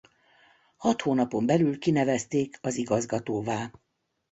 Hat hónapon belül kinevezték az igazgatóvá.